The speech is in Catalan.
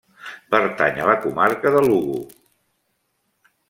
Pertany a la Comarca de Lugo.